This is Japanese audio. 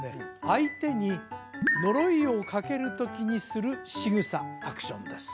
相手に呪いをかける時にするしぐさアクションです